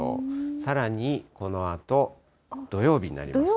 さらにこのあと土曜日になりますと。